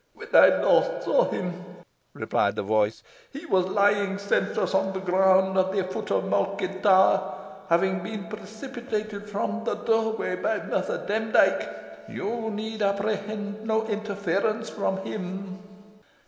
"When I last saw him," replied the voice, "he was lying senseless on the ground, at the foot of Malkin Tower, having been precipitated from the doorway by Mother Demdike. You need apprehend no interference from him."